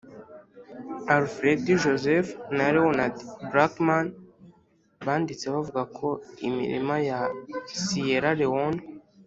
Alfred joseph na leonard blackman banditse bavuga ko imirima ya siyera lewone